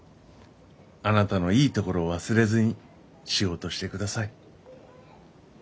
あなたのいいところを忘れずに仕事してください。